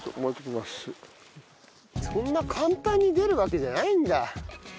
そんな簡単に出るわけじゃないんだ。